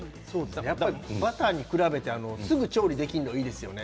バターに比べてすぐに調理ができるのいいですね。